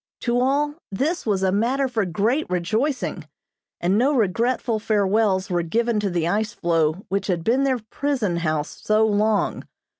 To all, this was a matter for great rejoicing, and no regretful farewells were given to the ice floe which had been their prison house so long.